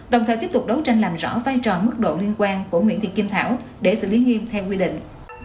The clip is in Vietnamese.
đồng thời tiếp tục đấu tranh làm rõ vai trò mức độ liên quan của nguyễn thị kim thảo để xử lý nghiêm theo quy định